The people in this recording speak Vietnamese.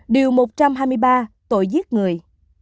điều một trăm hai mươi ba tội giết người